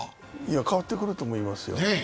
変わってくると思いますよ。